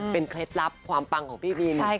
เป็นเคล็ดลับความปังของพี่บินค่ะใช่ค่ะ